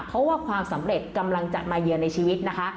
เพราะว่าความสำเร็จกำลังจะมาเยือนในชีวิตนะคะ